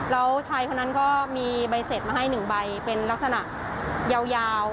แล้วชายคนนั้นก็มีใบเสร็จมาให้๑ใบเป็นลักษณะยาว